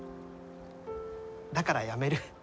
だからやめる。